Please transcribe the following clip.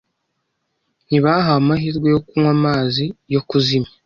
ntibahawe amahirwe yo kunywa amazi yo kuzimya